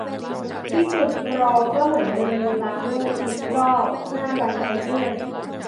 ที่จุดรอก็เหมือนเดิม ล้างมืออีกรอบหน้าบันไดเลื่อน